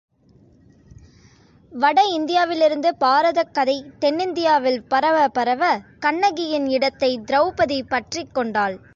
வட இந்தியாவிலிருந்து பாரதக் கதை தென்னிந்தியாவில் பரவப் பரவ, கண்ணகியின் இடத்தைத் திரெளபதி பற்றிக் கொண்டாள்.